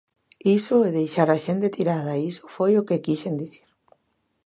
Iso é deixar á xente tirada, iso foi o que quixen dicir.